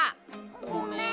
ごめん。